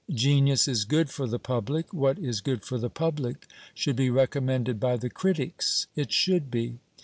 Genius is good for the public. What is good for the public should be recommended by the critics. It should be.